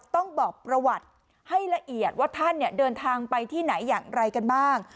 ต้องบอกประวัติให้ละเอียดว่าท่านเดินทางไปที่ไหนอย่างไรกันบ้าง